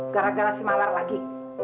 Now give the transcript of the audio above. gara gara si malar lagi